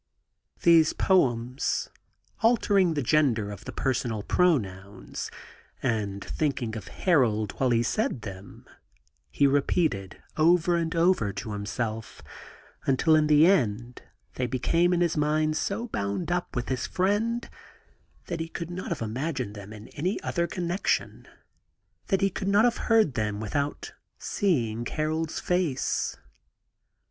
These poems, altering the gender of the personal pronouns, and thinking of Harold while he said them, he repeated over and over to himself, until in the end they became in his mind so bound up with his friend that he could not have imagined them in any other connection, that he could not have heard them without seeing Harold's face.